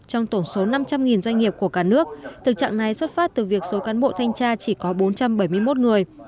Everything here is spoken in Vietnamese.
trong tổng số năm trăm linh doanh nghiệp của cả nước thực trạng này xuất phát từ việc số cán bộ thanh tra chỉ có bốn trăm bảy mươi một người